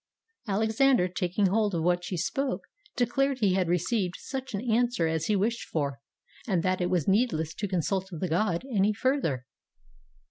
Alexander, taking hold of what she spoke, declared he had received such an answer as he wished for, and that it was needless to consult the god any further.